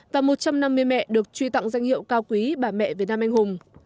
và một trăm năm mươi mẹ được truy tặng danh hiệu cao quý bà mẹ việt nam anh hùng